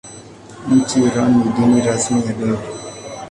Nchini Iran ni dini rasmi ya dola.